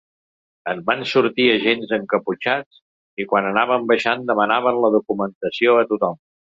En van sortir agents encaputxats, i quan anàvem baixant demanaven la documentació a tothom.